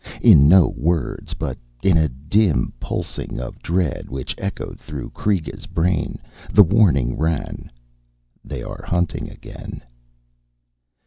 In no words, but in a dim pulsing of dread which echoed through Kreega's brain, the warning ran _They are hunting again.